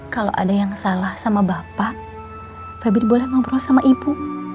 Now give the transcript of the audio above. kalau ada yang salah sama bapak habibie boleh ngobrol sama ibu